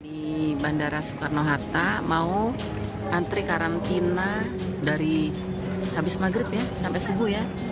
di bandara soekarno hatta mau antri karantina dari habis maghrib ya sampai subuh ya